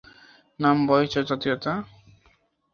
নাম, বয়স, জাতীয়তা।